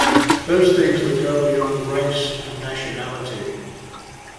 Those things that go beyond race and nationality.